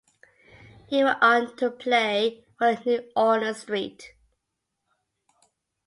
He went on to play for the New Orleans–St.